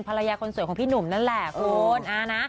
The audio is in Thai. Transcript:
ภรรยาคนสวยของพี่หนุ่มนั่นแหละคุณ